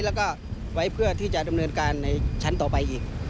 แล้วก็ไว้เพื่อที่จะดำเนินการในชั้นต่อไปอีก